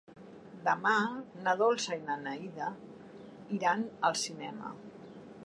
Demà na Dolça i na Neida iran al cinema.